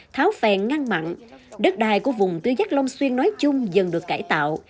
tháo phèn ngăn mặn đất đài của vùng tư giác long xuyên nói chung dần được cải tạo